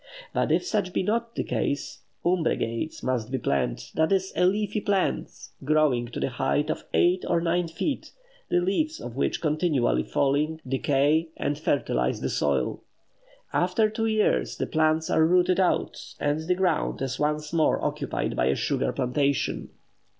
But if such be not the case, "umbregades" must be planted; that is, a leafy plant, growing to the height of eight or nine feet, the leaves of which continually falling, decay, and fertilize the soil. After two years the plants are rooted out, and the ground is once more occupied by a sugar plantation.